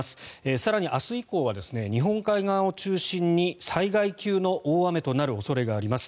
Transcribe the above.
更に明日以降は日本海側を中心に災害級の大雨となる恐れがあります。